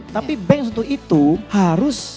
tapi bank untuk itu harus